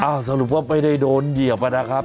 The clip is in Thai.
สรุปว่าไม่ได้โดนเหยียบนะครับ